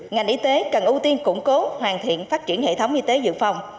ngành y tế cần ưu tiên củng cố hoàn thiện phát triển hệ thống y tế dự phòng